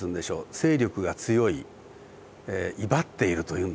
勢力が強い威張っているというんでしょうかね